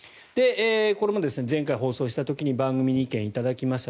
これも前回放送した時に番組に意見を頂きました。